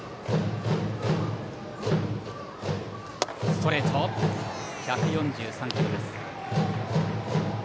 ストレート、１４３キロ。